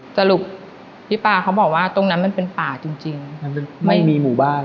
สรุปพี่ป่าเขาบอกว่าตรงนั้นมันเป็นป่าจริงไม่มีหมู่บ้าน